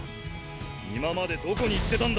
今までどこに行ってたんだ？